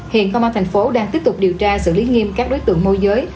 hiện công an tp hcm đang tiếp tục điều tra xử lý nghiêm các đối tượng môi giới